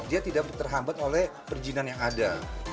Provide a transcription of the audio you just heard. dia tidak terhambat oleh perizinan yang ada